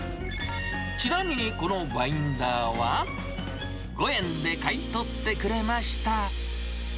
ちなみにこのバインダーは、５円で買い取ってくれました。